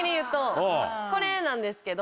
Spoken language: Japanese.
これなんですけど。